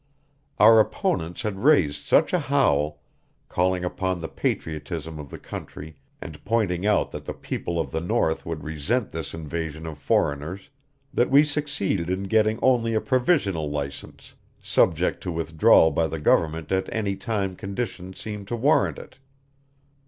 Our opponents had raised such a howl, calling upon the patriotism of the country and pointing out that the people of the north would resent this invasion of foreigners, that we succeeded in getting only a provisional license, subject to withdrawal by the government at any time conditions seemed to warrant it.